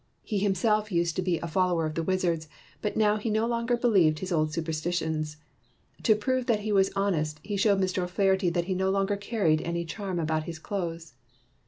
He himself used to be a follower of the wizards, but now he no longer believed his old superstitions. To prove that he was honest, he showed Mr. O 'Flaherty that he no longer carried any charm about his clothes.